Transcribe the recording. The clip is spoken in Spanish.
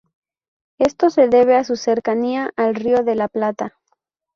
Esto se debe a su cercanía al Río de la Plata.